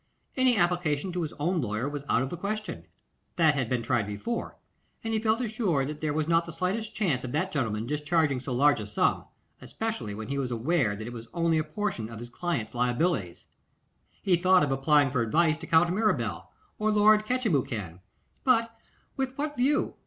Any application to his own lawyer was out of the question. That had been tried before, and he felt assured that there was not the slightest chance of that gentleman discharging so large a sum, especially when he was aware that it was only a portion of his client's liabilities; he thought of applying for advice to Count Mirabel or Lord Catchimwhocan, but with what view?